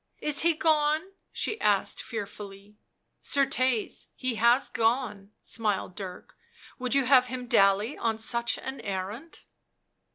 " Is he gone?" she asked fearfully. " Certes, he has gone," smiled Dirk. " Would you have him dally on such an errand?"